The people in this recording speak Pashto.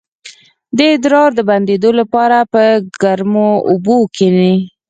د ادرار د بندیدو لپاره په ګرمو اوبو کینئ